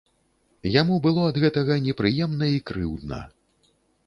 Яму было ад гэтага непрыемна і крыўдна.